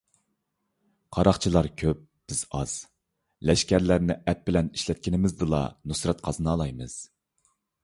قاراقچىلار كۆپ، بىز ئاز؛ لەشكەرلەرنى ئەپ بىلەن ئىشلەتكىنىمىزدىلا نۇسرەت قازىنالايمىز.